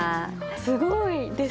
すごいです！